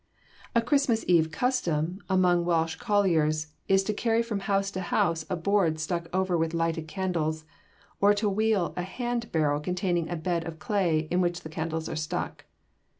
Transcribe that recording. A Christmas eve custom among Welsh colliers is to carry from house to house a board stuck over with lighted candles, or to wheel a handbarrow containing a bed of clay in which the candles are stuck.